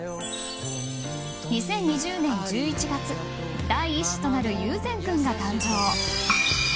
２０２０年１１月第１子となる雄然君が誕生。